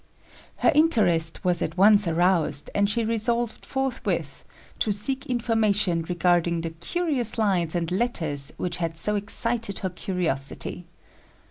Her interest was at once aroused; and she resolved forthwith to seek information regarding the curious lines and letters which had so excited her curiosity.